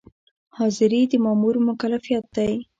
حاضري د مامور مکلفیت دی